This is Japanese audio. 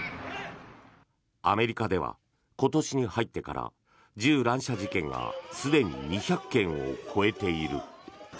アメリカでは今年に入ってから銃乱射事件がすでに２００件を超えている。